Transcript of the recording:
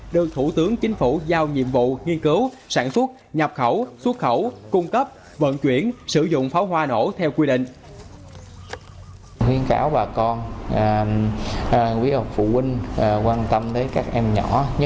được thủ tướng chính phủ giao nhiệm vụ nghiên cứu sản xuất nhập khẩu xuất khẩu cung cấp vận chuyển sử dụng pháo hoa nổ theo quy định